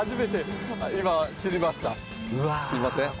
すみません。